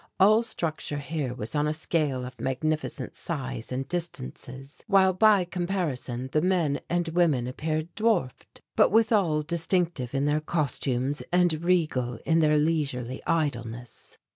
All structure here was on a scale of magnificent size and distances, while by comparison the men and women appeared dwarfed, but withal distinctive in their costumes and regal in their leisurely idleness.